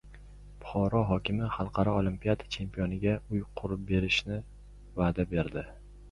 Buxoro hokimi xalqaro olimpiada chempioniga uy qurib berishga va’da berdi